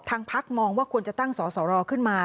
ทางภักรณ์มองว่าควรจะตั้งส่อสอรอขึ้นมา